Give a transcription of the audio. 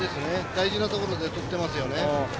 大事なところでとってますよね。